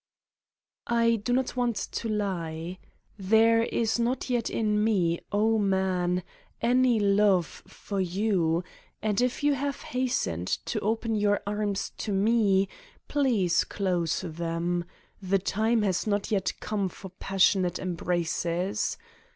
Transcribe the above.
I do not want to lie. There is not yet in me, oh man, any love for you, and if you have has tened to open your arms to me, please close them: the time has not yet come for passion ate embraces.